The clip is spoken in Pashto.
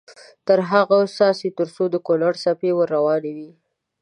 تر هغو دې څاڅي تر څو د کونړ څپې ور روانې وي.